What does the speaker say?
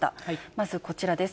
まずこちらです。